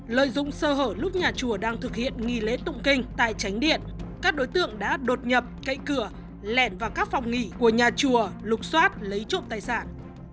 lợi dụng sơ hở lúc nhà chùa đang thực hiện nghi lễ tụng kinh tại tránh điện các đối tượng đã đột nhập cậy cửa lẻn vào các phòng nghỉ của nhà chùa lục xoát lấy trộm tài sản